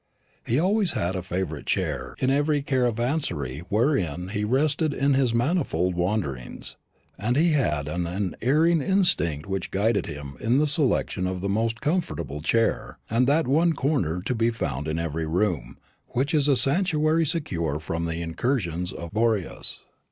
He always had a favourite chair in every caravanserai wherein he rested in his manifold wanderings, and he had an unerring instinct which guided him in the selection of the most comfortable chair, and that one corner, to be found in every room, which is a sanctuary secure from the incursions of Boreas.